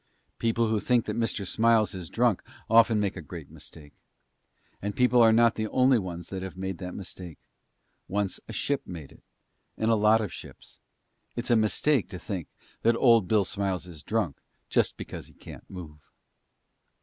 People who think that Mr. Smiles is drunk often make a great mistake. And people are not the only ones that have made that mistake. Once a ship made it, and a lot of ships. It's a mistake to think that old Bill Smiles is drunk just because he can't move.